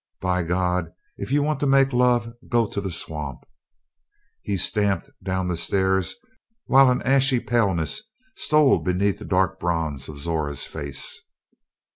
By God, if you want to make love go to the swamp!" He stamped down the stairs while an ashy paleness stole beneath the dark red bronze of Zora's face.